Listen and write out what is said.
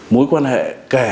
mối quan hệ kẻ